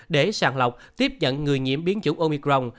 để sàng lọc tiếp nhận người nhiễm biến chủng omicron